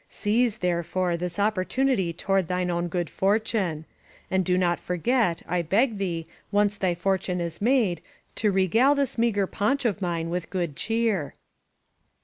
.•• Seize, therefore, this opportunity toward thine own good fortune. And do not forget, I beg thee, once thy fortune is made, to re gale this meager paunch of mine with good cheer."